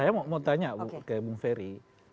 saya mau tanya ke bung ferry